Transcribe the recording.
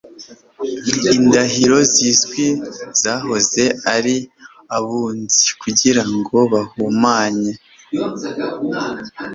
Indahiro zizwi zahoze ari abunzi kugirango bahumanye